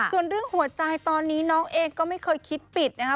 ส่วนเรื่องหัวใจตอนนี้น้องเองก็ไม่เคยคิดปิดนะครับ